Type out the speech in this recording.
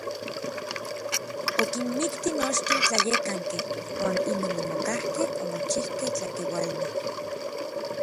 Okinmikti nochtin tlayekankej uan inon omokakej omochikej tlakeualmej.